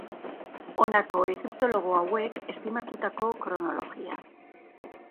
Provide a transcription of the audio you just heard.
Honako egiptologo hauek estimatutako kronologia.